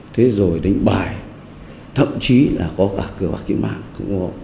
thế rồi đánh bài thậm chí là có cả cờ bạc kiếm bạc